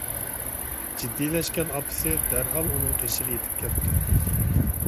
جىددىيلەشكەن ئاپىسى دەرھال ئۇنىڭ قېشىغا يېتىپ كەپتۇ.